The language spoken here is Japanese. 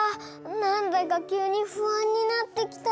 なんだかきゅうにふあんになってきた。